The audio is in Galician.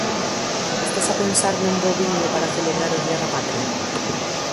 Estás a pensar nun bo viño para celebrar o Día da Patria?